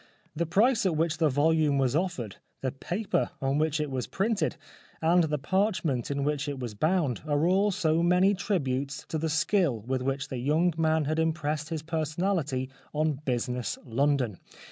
The price at which the volume was offered, the paper on which it was printed, and the parchment in which it was bound are all so many tributes to the skill with which the young man had impressed his personality on business London.